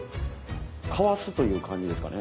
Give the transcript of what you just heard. かわすという感じですかね。